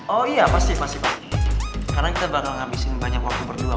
oh iya pasti masih karena kita bakal ngabisin banyak waktu berdua